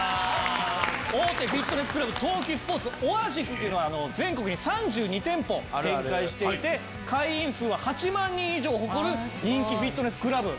大手フィットネスクラブ東急スポーツオアシスっていうのは全国に３２店舗展開していて会員数は８万人以上を誇る人気フィットネスクラブなんですけれども。